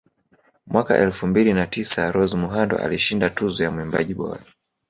Mwaka elfu mbili na tisa Rose Muhando alishinda Tuzo ya Mwimbaji bora